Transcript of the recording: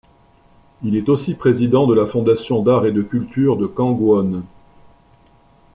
Il est aussi président de la fondation d'Art et de Culture de Kangwon.